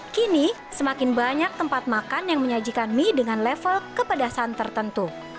kini semakin banyak tempat makan yang menyajikan mie dengan level kepedasan tertentu